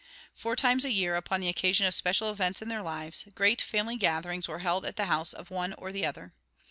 Four times a year, upon the occasion of special events in their lives, great family gatherings were held at the house of one or other.